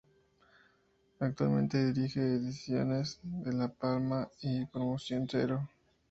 Actualmente dirige Ediciones La Palma y Promoción Cero.